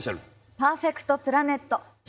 「パーフェクトプラネット」。